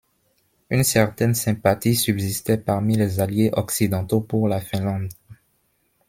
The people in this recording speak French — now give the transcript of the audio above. Une certaine sympathie subsistait parmi les Alliés occidentaux pour la Finlande.